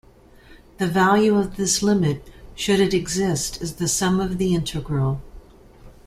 The value of this limit, should it exist, is the sum of the integral.